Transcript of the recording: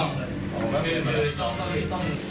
อ๋อลักเงินมาแล้วไม่จองก็ต้อง